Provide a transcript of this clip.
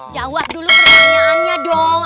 jawab dulu pertanyaannya dong